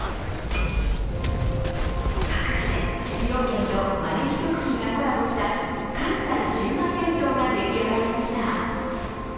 かくして崎陽軒とまねき食品がコラボした関西シウマイ弁当が出来上がりました。